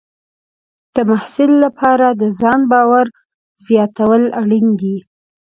د محصل لپاره د ځان باور زیاتول اړین دي.